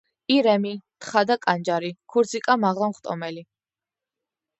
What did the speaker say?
„ირემი, თხა და კანჯარი, ქურციკა მაღლა მხტომელი.